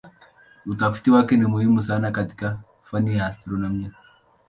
Utafiti wake ni muhimu hasa katika fani ya astronomia.